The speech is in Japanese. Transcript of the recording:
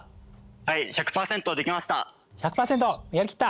はい１００％できました。